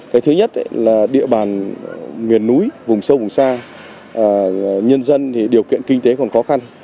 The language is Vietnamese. cái thứ nhất là địa bàn miền núi vùng sâu vùng xa nhân dân thì điều kiện kinh tế còn khó khăn